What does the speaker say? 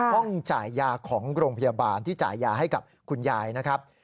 จ่ายยาของโรงพยาบาลที่จ่ายยาให้กับคุณยายนะครับ